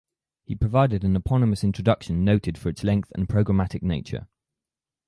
He provided an eponymous introduction noted for its length and programmatic nature.